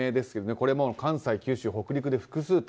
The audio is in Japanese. これも関西、九州、北陸で複数店。